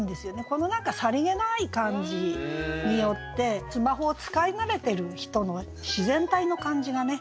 この何かさりげない感じによってスマホを使い慣れてる人の自然体の感じがね